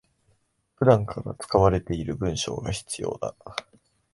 普段から使われている文章が必要だ